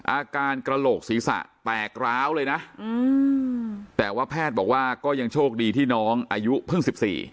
กระโหลกศีรษะแตกร้าวเลยนะแต่ว่าแพทย์บอกว่าก็ยังโชคดีที่น้องอายุเพิ่ง๑๔